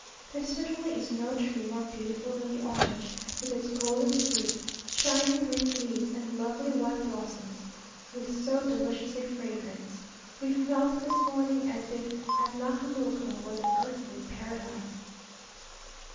There certainly is no tree more beautiful than the orange, with its golden fruit, shining green leaves and lovely white blossom with so delicious a fragrance. We felt this morning as if Atlacamulco was an earthly paradise.